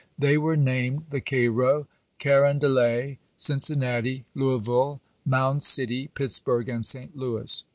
They were named the Cairo, Carondelet, Cincinnati, Louisville, Mound City, Pittsburg, and St. Louis.